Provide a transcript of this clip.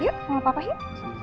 yuk nggak apa apa yuk